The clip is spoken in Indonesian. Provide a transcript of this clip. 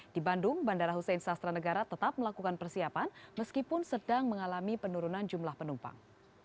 di bandung bandara hussein sastra negara tetap melakukan persiapan meskipun sedang mengalami penurunan jumlah penumpang